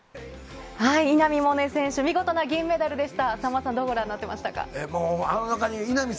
稲見萌寧選手、見事な銀メダルでした。